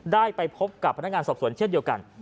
ได้ไปพบกับพนักงานสอบสวนเช่นเดียวกัน